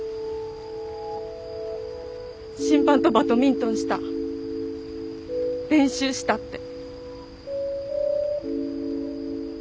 審判とバドミントンした練習したって。